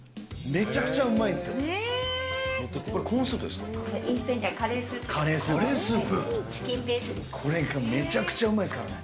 めちゃくちゃうまいですからね。